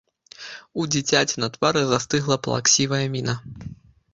У дзіцяці на твары застыгла плаксівая міна.